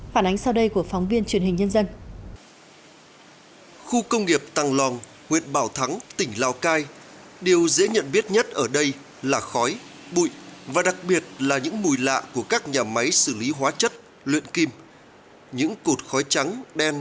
phản ánh sau đây của phóng viên truyền hình nhân dân